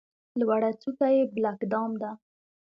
لوړه څوکه یې بلک دام ده.